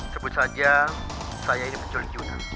sebut saja saya ini penculik yuna